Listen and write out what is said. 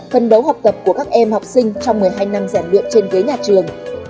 phân đấu học tập của các em học sinh trong một mươi hai năm giản luyện trên ghế nhà trường